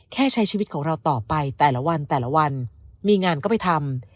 แค่ใช้ชีวิตของเราต่อไปแต่ละวันแต่ละวันมีงานก็ไปทำ